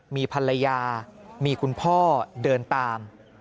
มีภรรยามีคุณพ่อเดินตาม